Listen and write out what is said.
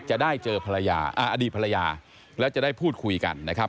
จะได้เจอภรรยาอดีตภรรยาแล้วจะได้พูดคุยกันนะครับ